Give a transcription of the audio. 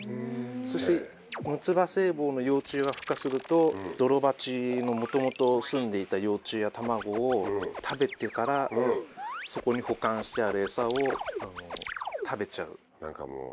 そしてムツバセイボウの幼虫がふ化するとドロバチの元々すんでいた幼虫や卵を食べてからそこに保管してあるエサを食べちゃう。